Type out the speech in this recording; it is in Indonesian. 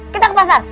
kita ke pasar